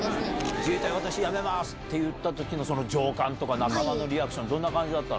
自衛隊、私辞めますって言ったときのその上官とか、仲間のリアクション、どんな感じだったの？